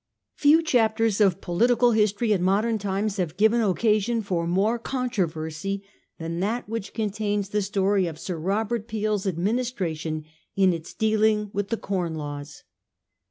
Few chapters of political history in modem times have given occasion for more controversy than that which contains the story of Sir Robert Peel's Ad ministration in its dealing with the Com Laws.